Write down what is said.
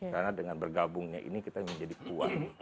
karena dengan bergabungnya ini kita menjadi kuat